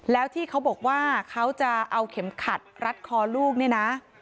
แล้วที่เขาบอกว่าเขาจะเอาเข็มขัดรัดคอลูกเนี่ยนะ